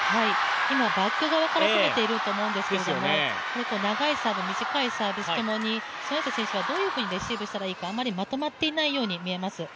今、バック側から攻めていると思うんですけれどももっと長いサーブ、短いサーブともに、孫エイ莎選手はどのようにレシーブしたらいいかあまり、まとまっていないように見えます。